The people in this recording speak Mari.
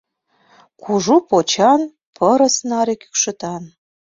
Кужу почан, пырыс наре кӱкшытан.